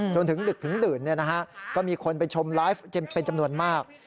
จนถึงดึกถึงดื่นก็มีคนไปชมไลฟ์เป็นจำนวนมาก